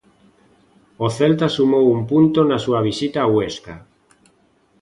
O Celta sumou un punto na súa visita a Huesca.